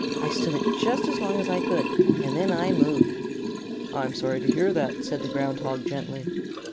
I stood it just as long as I could, and then I moved." "I am sorry to hear that," said the Ground Hog, gently.